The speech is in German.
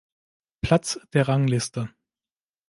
Platz der Rangliste.